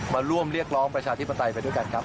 มาร่วมเรียกร้องประชาธิปไตยไปด้วยกันครับ